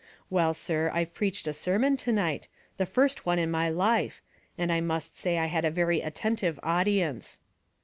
Well, sir, I've preached a sermon to night — the first one in my life — and I must say I had a very attentive audie/ice."